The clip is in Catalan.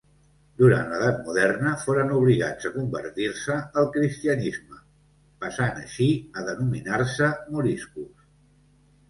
Durant l'edat moderna, foren obligats a convertir-se al cristianisme, passant així a denominar-se moriscos.